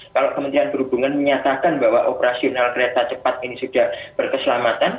kalau kementerian perhubungan menyatakan bahwa operasional kereta cepat ini sudah berkeselamatan